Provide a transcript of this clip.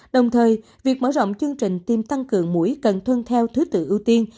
đồng thời việc mở rộng chương trình tiêm tăng cường mũi cần tuân theo thứ tự ưu tiên